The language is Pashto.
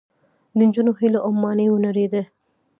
د نجونو هیلې او ماڼۍ ونړېدې